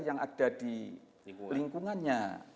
yang ada di lingkungannya